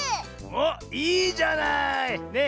おっいいじゃない！ね。